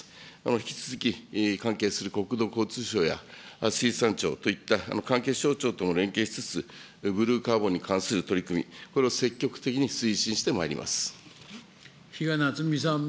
引き続き、関係する国土交通省や水産庁といった関係省庁とも連携しつつ、ブルーカーボンに関する取り組み、これを積極的に推進し比嘉奈津美さん。